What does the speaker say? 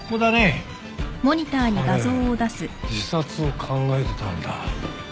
彼自殺を考えてたんだ。